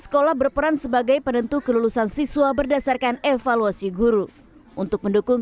sekolah berperan sebagai penentu kelulusan siswa berdasarkan evaluasi guru untuk mendukung